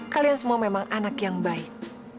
kalian semua memang anak yang baik